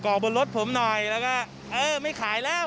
ออกบนรถผมหน่อยแล้วก็เออไม่ขายแล้ว